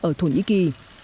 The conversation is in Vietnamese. ở thổ nhĩ kỳ